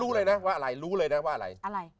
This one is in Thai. แล้วรู้เลยนะว่าอะไร